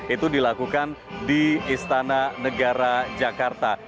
itu dilakukan di istana negara jakarta